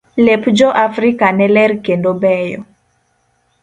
Lep jo Afrika ne ler kendo beyo.